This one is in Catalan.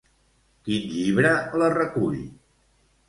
Quin llibre la recull?